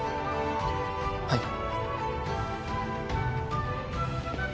はい。